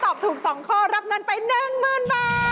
ตอบถูก๒ข้อรับเงินไป๑๐๐๐บาท